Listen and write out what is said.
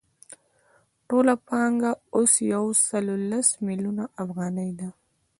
ټوله پانګه اوس یو سل لس میلیونه افغانۍ ده